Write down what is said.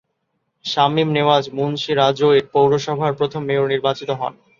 শামীম নেওয়াজ মুন্সি রাজৈর পৌরসভার প্রথম মেয়র নির্বাচিত হন।